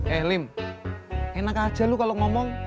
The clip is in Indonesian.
eh lim enak aja lu kalau ngomong